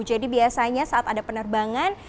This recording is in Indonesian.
jadi biasanya saat ada penerbangan